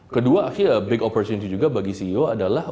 kedua actually a big opportunity juga bagi ceo adalah